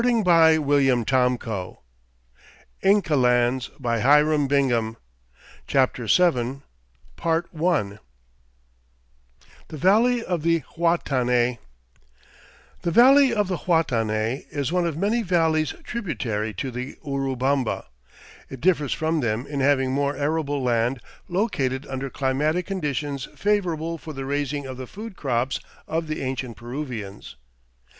FIGURE Route Map of the Peruvian Expedition of 1912 CHAPTER VII The Valley of the Huatanay The valley of the Huatanay is one of many valleys tributary to the Urubamba. It differs from them in having more arable land located under climatic conditions favorable for the raising of the food crops of the ancient Peruvians.